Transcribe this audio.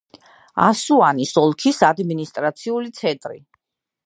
ასუანის ოლქის ადმინისტრაციული ცენტრი.